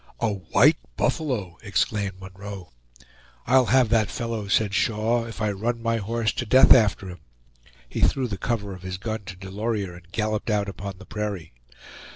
"A white buffalo!" exclaimed Munroe. "I'll have that fellow," said Shaw, "if I run my horse to death after him." He threw the cover of his gun to Delorier and galloped out upon the prairie.